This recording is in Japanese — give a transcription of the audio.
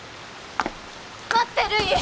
待ってるい！